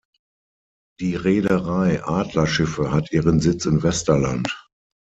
Die Reederei Adler-Schiffe hat ihren Sitz in Westerland.